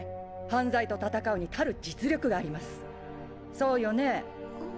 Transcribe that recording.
そうよね？